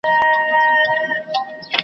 هی توبه چي در ته غل د لاري مل سي.